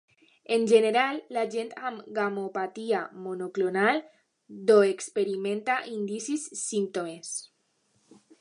En general, la gent amb gamopatia monoclonal do experimenta indicis símptomes.